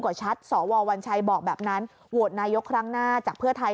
ก็ชัดสววัญชัยบอกแบบนั้นโหวตนายกครั้งหน้าจากเพื่อไทย